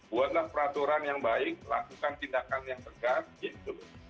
buatlah peraturan yang baik lakukan tindakan yang tegas gitu loh